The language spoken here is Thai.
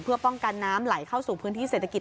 เพื่อป้องกันน้ำไหลเข้าสู่พื้นที่เศรษฐกิจ